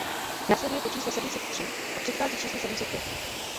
Následuje po čísle sedm set tři a předchází číslu sedm set pět.